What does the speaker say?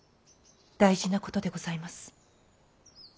大事なことでございます。